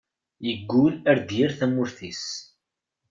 Yeggul ar d-yerr tamurt-is.